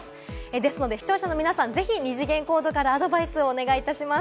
ですので視聴者の皆さん、ぜひ二次元コードからアドバイスをお願いいたします。